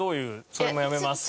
「それもやめます」って？